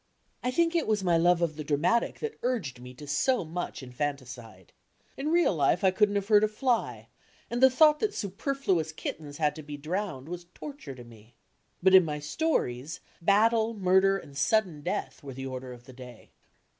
I think it was my love of the dramatic that urged me to so much infanticide. In real life I couldn't have hurt a fly, and the thought that superfluous kinens had to be drowned was torture to me. But in my stories battle, murder and sudden death were the order of the day.